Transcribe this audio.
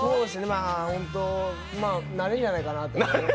本当、なれるんじゃないかなと。